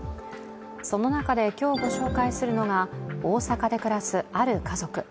その中で今日ご紹介するのが大阪で暮らす、ある家族。